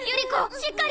しっかり！